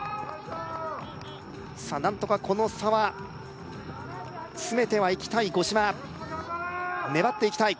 さあ何とかこの差は詰めてはいきたい五島粘っていきたい